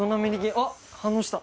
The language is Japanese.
あっ反応した。